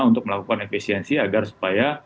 untuk melakukan efisiensi agar supaya